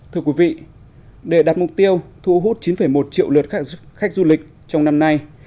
thưa quý vị để đạt mục tiêu thu hút chín một triệu lượt khách du lịch trong năm nay